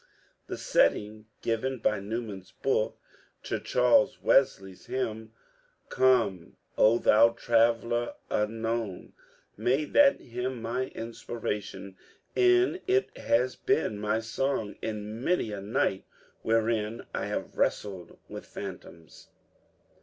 The setting given by Newman's book to Charles Wesley's hymn — "Come, O thou Traveller unknown" — made that hymn my inspiration, and it has been my song in many a night wherein I have wrestled with phantoms.